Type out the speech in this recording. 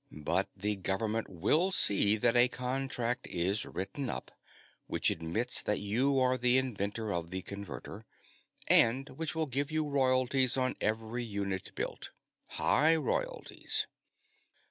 "But the Government will see that a contract is written up which admits that you are the inventor of the Converter, and which will give you royalties on every unit built. High royalties.